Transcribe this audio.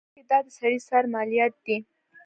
بلکې دا د سړي سر مالیات دي.